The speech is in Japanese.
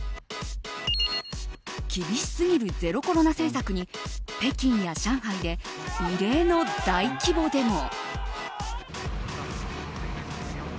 厳しすぎるゼロコロナ政策に北京や上海で異例の大規模デモ。